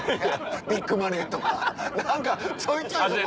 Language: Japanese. ビッグマネーとか何かちょいちょい。